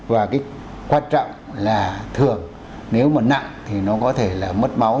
và cái quan trọng là thường nếu mà nặng thì nó có thể là mất máu